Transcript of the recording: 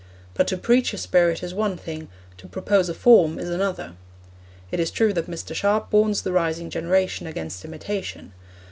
But to preach a spirit is one thing, to propose a form is another. It is true that Mr. Sharp warns the rising generation against imitation.